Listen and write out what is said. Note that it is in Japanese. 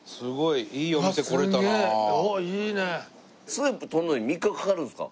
スープ取るのに３日かかるんですか？